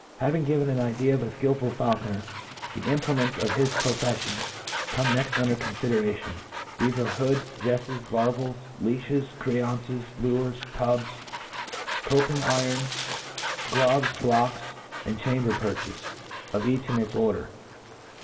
HAVING given an idea of afkilful foul, Coner> the implements of his prpfcflion come next under confideration. Thefc arc hoods, jcfles, varVels, leaihes, crcanccs, l^rcs, tubs, copping irons, gloves,! blocks, ^4 chamber^ perches. Of ^ach in its order.